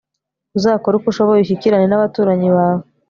uzakore uko ushoboye ushyikirane n'abaturanyi bawe